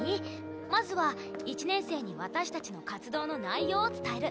まずは１年生に私たちの活動の内容を伝える。